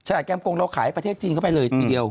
แก้มกงเราขายประเทศจีนเข้าไปเลยทีเดียว